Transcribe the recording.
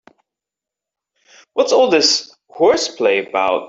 What's all this horseplay about?